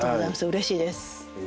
うれしいです。